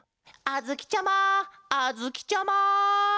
あづきちゃまあづきちゃま！